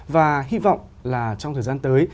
và hy vọng là trong thời gian tới